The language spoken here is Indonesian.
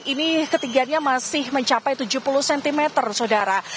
ini ketinggiannya masih mencapai tujuh puluh cm saudara